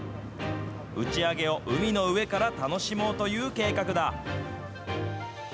打ち上げを海の上から楽しもうという計画だ。